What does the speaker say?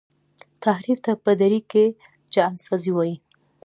تحریف ته په دري کي جعل سازی وايي.